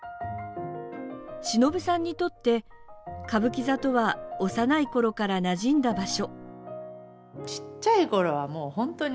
しのぶさんにとって、歌舞伎座とは幼いころからなじんだ場所。